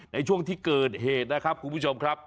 ในช่วงที่เกิดเหตุนะครับคุณผู้ชมครับ